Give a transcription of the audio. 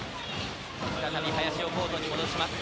再び林をコートに戻します。